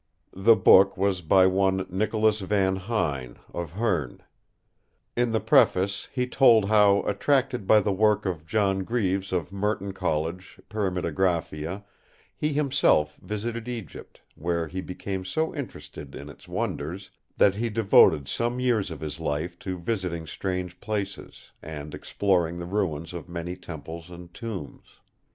The book was by one Nicholas van Huyn of Hoorn. In the preface he told how, attracted by the work of John Greaves of Merton College, Pyramidographia, he himself visited Egypt, where he became so interested in its wonders that he devoted some years of his life to visiting strange places, and exploring the ruins of many temples and tombs.